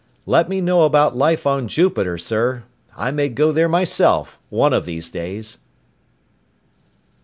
"Let me know about life on Jupiter, sir. I may go there myself one of these days!"